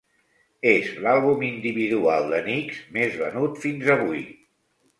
És l'àlbum individual de Nicks més venut fins avui.